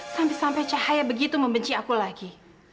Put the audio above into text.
sampai sampai cahaya begitu membenci aku lagi